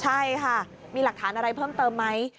ใช่ค่ะมีหลักฐานอะไรเพิ่มเติมไหม